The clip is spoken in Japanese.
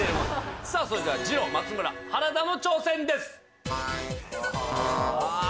さあそれではじろう松村原田の挑戦です。ああ！